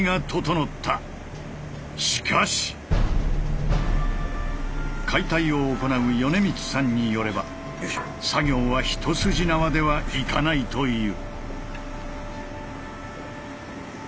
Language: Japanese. しかし解体を行う米満さんによれば作業は一筋縄ではいかないという。